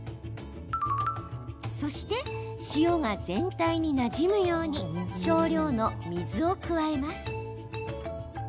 そして、塩が全体になじむように少量の水を加えます。